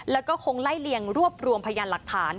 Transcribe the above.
แล้วก็คงไล่เลี่ยงรวบรวมพยานหลักฐาน